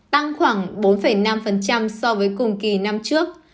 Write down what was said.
tăng khoảng bốn năm so với cùng kỳ năm trước